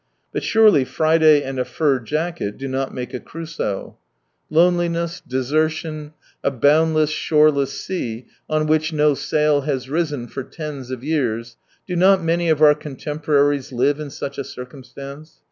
But surely Friday and a fur jacket do not make a Crusoe. 69 Loneliness, desertion, a boundless, shoreless sea, on which no sail has risen for tens of years, — do not many of our contemporaries live in such a circumstance